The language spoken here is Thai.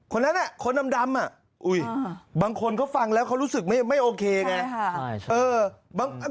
คนนั้นคนดำบางคนเขาฟังแล้วเขารู้สึกไม่โอเคไง